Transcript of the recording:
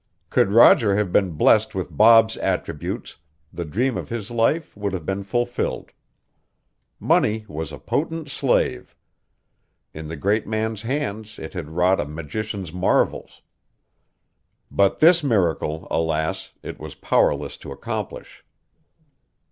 Could Roger have been blessed with Bob's attributes, the dream of his life would have been fulfilled. Money was a potent slave. In the great man's hands it had wrought a magician's marvels. But this miracle, alas, it was powerless to accomplish.